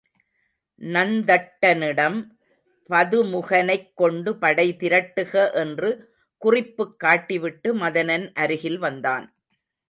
நந்தட்டனிடம் பதுமுகனைக் கொண்டு படை திரட்டுக என்று குறிப்புக் காட்டிவிட்டு மதனன் அருகில் வந்தான்.